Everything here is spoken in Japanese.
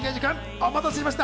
お待たせしました。